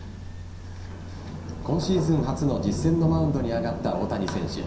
今シーズン初の実戦のマウンドに上がった大谷選手。